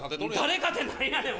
誰かて何やねん！